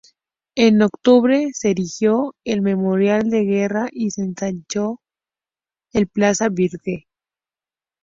En octubre, se erigió el memorial de guerra y se ensanchó el Plaza Bridge.